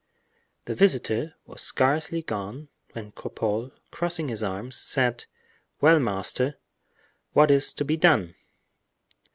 The visitor was scarcely gone when Cropole, crossing his arms, said: "Well, master, what is to be done?"